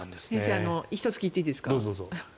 １つ聞いていいですか？